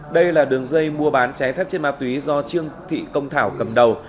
đây là đường dây mua bán trái phép trên ma túy do trương thị công thảo cầm đầu